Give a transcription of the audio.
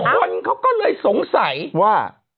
คนเขาก็เลยสงสัยว่า